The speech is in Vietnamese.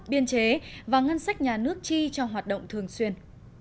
biên chế và ngân sách nhà nước chi cho hoạt động thường xuyên